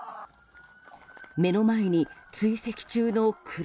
目の前に、追跡中の車。